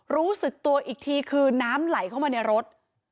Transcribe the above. รู้สึกตัวอีกทีคือน้ำไหลเข้ามาในรถ